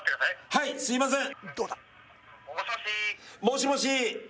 ☎はいすいません